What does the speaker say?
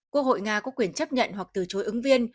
quốc hội nga có quyền chấp nhận hoặc từ chối ứng viên